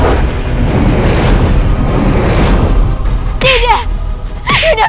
aku sudah kira kau tidak akan terkalahkan